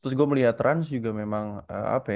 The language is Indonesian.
terus gue melihat ranz juga memang eh apa ya